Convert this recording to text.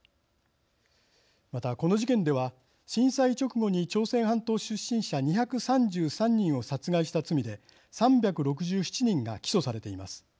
またこの事件では震災直後に朝鮮半島出身者２３３人を殺害した罪で３６７人が起訴されています。